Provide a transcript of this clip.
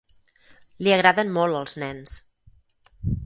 Li agraden molt els nens.